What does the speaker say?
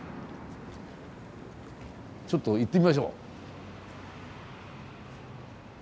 ちょっと行ってみましょう。